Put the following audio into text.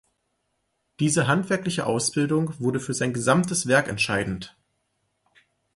Diese handwerkliche Ausbildung wurde für sein gesamtes Werk entscheidend.